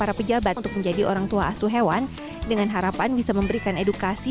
para pejabat untuk menjadi orang tua asuh hewan dengan harapan bisa memberikan edukasi